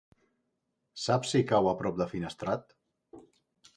Saps si cau a prop de Finestrat?